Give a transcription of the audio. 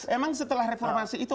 emang setelah reformasi itu